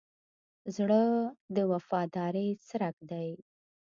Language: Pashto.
زړه د وفادارۍ څرک دی.